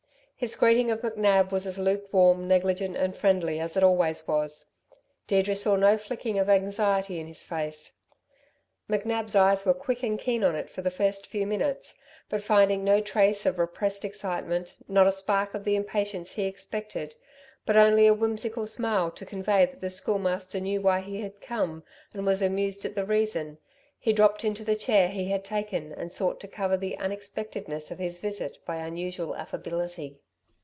His greeting of McNab was as lukewarm, negligent and friendly as it always was. Deirdre saw no flicker of anxiety in his face. McNab's eyes were quick and keen on it for the first few minutes, but finding no trace of repressed excitement, not a spark of the impatience he expected, but only a whimsical smile to convey that the Schoolmaster knew why he had come, and was amused at the reason, he dropped into the chair he had taken and sought to cover the unexpectedness of his visit by unusual affability.